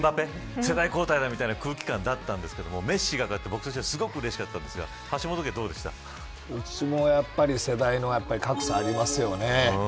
世代交代だ、みたいな空気感だったんですけどメッシが勝って、僕としてはすごくうれしかったんですがうちもやっぱり世代の格差ありますよね。